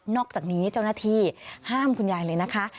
อกจากนี้เจ้าหน้าที่ห้ามคุณยายเลยนะคะ